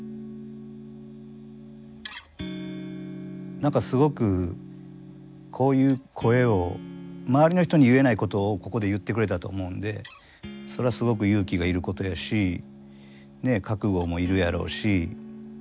何かすごくこういう声を周りの人に言えないことをここで言ってくれたと思うんでそれはすごく勇気がいることやしねっ覚悟もいるやろうし。